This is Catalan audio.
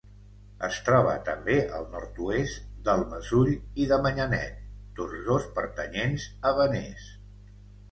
Es troba també al nord-oest del Mesull i de Manyanet, tots dos pertanyents a Benés.